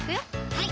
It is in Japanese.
はい